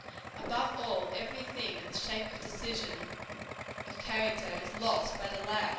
Above all, every thing in the shape of decision of character is lost by delay.